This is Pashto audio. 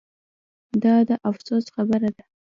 دا د افسوس خبره ده